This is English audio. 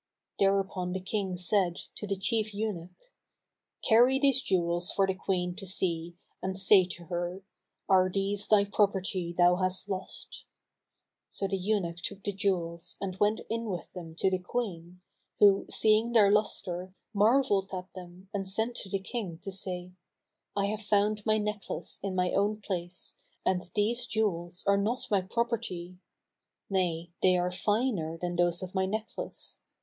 Thereupon the King said to the chief eunuch, "Carry these jewels for the Queen to see, and say to her, 'Are these thy property thou hast lost?'" So the eunuch took the jewels and went in with them to the Queen, who seeing their lustre marvelled at them and sent to the King to say, "I have found my necklace in my own place and these jewels are not my property; nay, they are finer than those of my necklace.